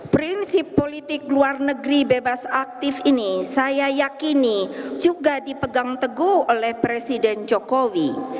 prinsip politik luar negeri bebas aktif ini saya yakini juga dipegang teguh oleh presiden jokowi